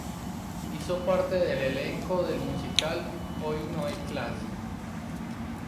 Hizo parte del elenco del musical Hoy no hay clase.